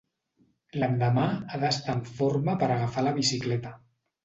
L'endemà ha d'estar en forma per agafar la bicicleta.